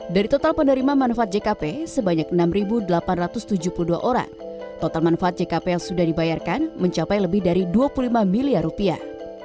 dari total penerima manfaat jkp sebanyak enam delapan ratus tujuh puluh dua orang total manfaat jkp yang sudah dibayarkan mencapai lebih dari dua puluh lima miliar rupiah